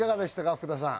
福田さん。